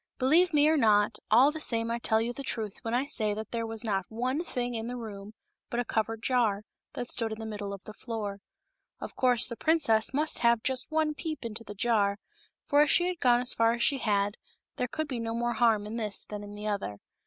Believe me or not, all the same I tell you the truth when I say that there was not one thing in the room but a covered jar, that stood in the middle of the floor. Of course the princess must have just one peep into the jar, for as she had gone as far as she had, there could be no more harm in this than in the other.